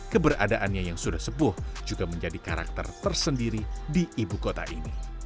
keberadaannya yang sudah sepuh juga menjadi karakter tersendiri di ibukota ini